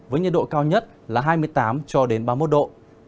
với nhà độ cao nhất là hai mươi tám ba mươi một độ